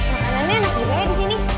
makanannya enak juga ya disini